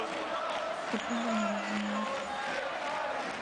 Sipendi mwalimu wangu.